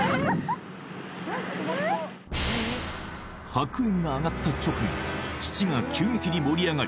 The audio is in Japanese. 白煙が上がった直後土が急激に盛り上がり